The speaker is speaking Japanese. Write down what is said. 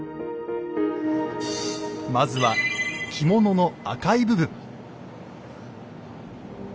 まずは着物の赤い部分。